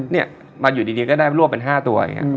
เนี่ยมันอยู่ดีก็ได้รวบเป็น๕ตัวอย่างนี้